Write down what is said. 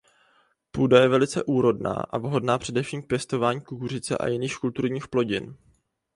Půda je velice úrodná a vhodná především k pěstování kukuřice a jiných kulturních plodin.